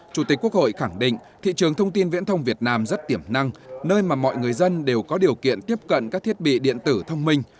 chủ tịch quốc hội khẳng định thị trường thông tin viễn thông việt nam rất tiểm năng nơi mà mọi người dân đều có điều kiện tiếp cận các thiết bị điện tử thông minh